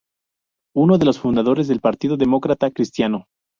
Uno de los fundadores del Partido Demócrata Cristiano.